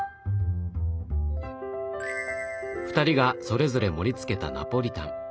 ２人がそれぞれ盛りつけたナポリタン。